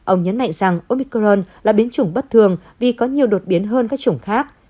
ông nhấn mạnh rằng omicron là biến chủng bất thường vì có nhiều đột biến hơn các chủng khác